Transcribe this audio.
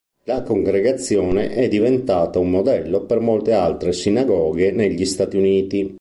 La congregazione è diventata un modello per molte altre sinagoghe negli Stati Uniti.